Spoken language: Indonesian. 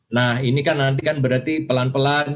nah ini kan nanti kan berarti pelan pelan